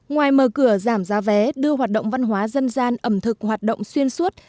ngoài mở cửa giảm giá vé đưa hoạt động văn hóa dân gian ẩm thực hoạt động xuyên suốt